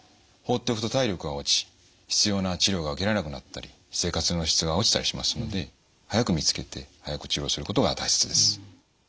放っておくと体力が落ち必要な治療が受けられなくなったり生活の質が落ちたりしますので早く見つけて早く治療することが大切です。